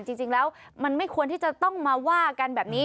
จริงแล้วมันไม่ควรที่จะต้องมาว่ากันแบบนี้